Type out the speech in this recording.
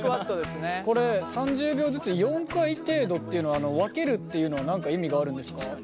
これ３０秒ずつ４回程度っていうのは分けるっていうのは何か意味があるんですか？